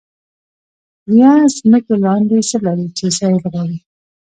سوریه ځمکې لاندې څه لري چې اسرایل غواړي؟😱